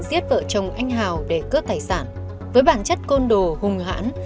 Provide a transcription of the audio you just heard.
giết vợ chồng anh hào để cướp tài sản với bản chất côn đồ hùng hãn